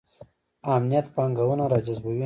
امنیت پانګونه راجذبوي